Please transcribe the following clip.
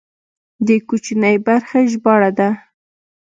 د کوچنۍ برخې ژباړه ده.